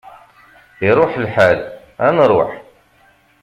Iṛuḥ lḥal, ad nruḥ!